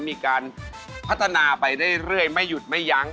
มีการพัฒนาไปเรื่อยไม่หยุดไม่ยั้ง